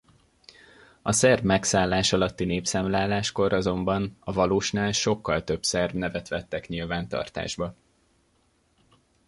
A szerb megszállás alatti népszámláláskor azonban a valósnál sokkal több szerb nevet vettek nyilvántartásba.